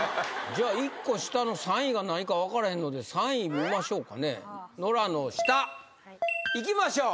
じゃあ１個下の３位が何かわかれへんので３位見ましょうかねノラの下。いきましょう。